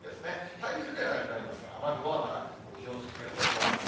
台風ではなくなりますが、雨雲はまだ北上を続けると思います。